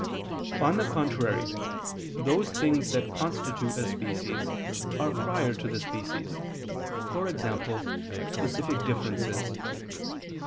On the contrary, Those things that constitute a species are prior to the species, e.g. specific differences.